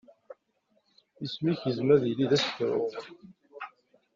Isem-ik yezmer ad yili d asefru.